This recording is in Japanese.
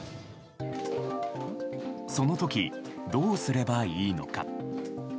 その時、どうすればいいのか。